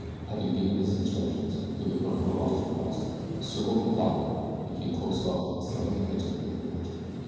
Having given his instructions Billy Byrne rode off to the west, circled Cuivaca and came close up upon the southern edge of the little village.